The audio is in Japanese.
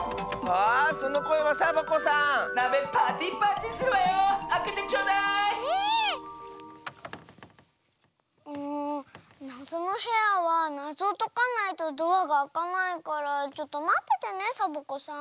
でもなぞのへやはなぞをとかないとドアがあかないからちょっとまっててねサボ子さん。